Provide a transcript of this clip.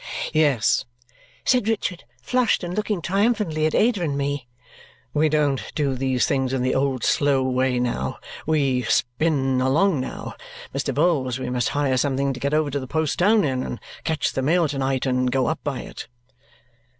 "Yes," said Richard, flushed, and looking triumphantly at Ada and me, "we don't do these things in the old slow way now. We spin along now! Mr. Vholes, we must hire something to get over to the post town in, and catch the mail to night, and go up by it!"